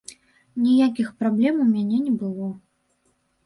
Ніякіх праблем у мяне не было.